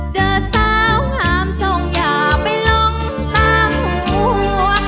เจอสาวงามทรงอย่าไปลงตามหัว